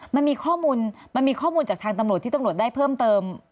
มันมีข้อมูลมันมีข้อมูลจากทางตำรวจที่ตำรวจได้เพิ่มเติม